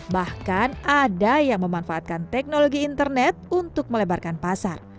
bahkan ada yang memanfaatkan teknologi internet untuk melebarkan pasar